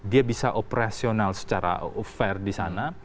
dia bisa operasional secara fair di sana